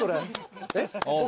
えっ？